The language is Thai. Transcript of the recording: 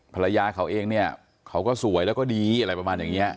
ภรรยาเขาเองเนี่ยเขาก็สวยแล้วก็ดีอะไรประมาณอย่างนี้